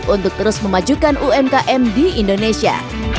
untuk terus memajukan umkm di indonesia